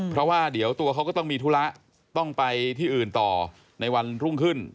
เพราะว่าเดี๋ยวตัวเขาก็ต้องมีธุระต้องไปที่อื่นต่อในวันรุ่งขึ้น